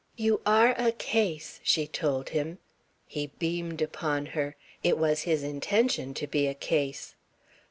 "You are a case," she told him. He beamed upon her. It was his intention to be a case.